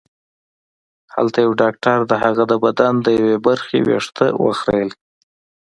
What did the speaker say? هلته یو ډاکټر د هغه د بدن د یوې برخې وېښته وخریل